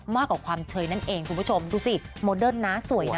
มากกว่าความเฉยนั้นเองทุกผู้ชมดูสิสวยนะ